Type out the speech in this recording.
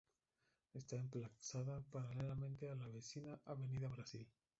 Está emplazada paralelamente a la vecina avenida Brasil.